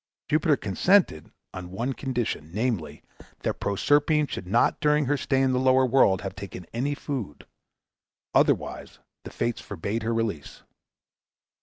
Jupiter consented on one condition, namely, that Proserpine should not during her stay in the lower world have taken any food; otherwise, the Fates forbade her release.